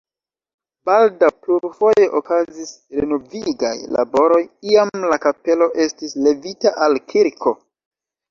Baldaŭ plurfoje okazis renovigaj laboroj, iam la kapelo estis levita al kirko.